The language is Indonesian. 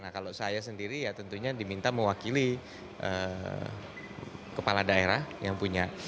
nah kalau saya sendiri ya tentunya diminta mewakili kepala daerah yang punya